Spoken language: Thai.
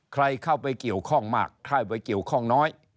ใครเข้าไปเกี่ยวข้องมากใครไปเกี่ยวข้องน้อย